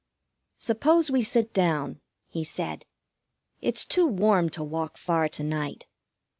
"Suppose we sit down," he said. "It's too warm to walk far to night."